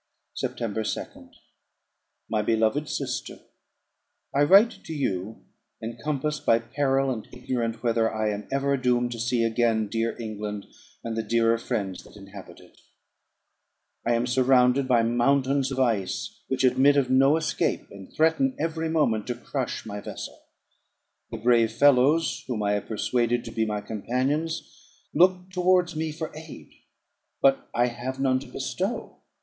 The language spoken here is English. September 2d. My beloved Sister, I write to you, encompassed by peril, and ignorant whether I am ever doomed to see again dear England, and the dearer friends that inhabit it. I am surrounded by mountains of ice, which admit of no escape, and threaten every moment to crush my vessel. The brave fellows, whom I have persuaded to be my companions, look towards me for aid; but I have none to bestow.